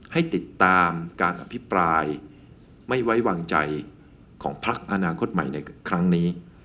ให้ติดตามการอภิปรายไม่ไว้วางใจของพักอนาคตใหม่ในครั้งนี้